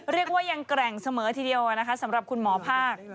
เรียกว่ายังแกร่งเสมอทีเดียวนะคะสำหรับคุณหมอภาค